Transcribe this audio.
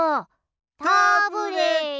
タブレットン！